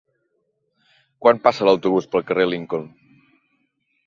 Quan passa l'autobús pel carrer Lincoln?